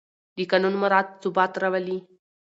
د قانون مراعت ثبات راولي